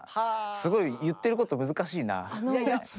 すごい言ってること難しいな。